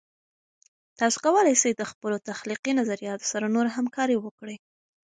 تاسې کولای سئ د خپلو تخلیقي نظریاتو سره نور همکارۍ وکړئ.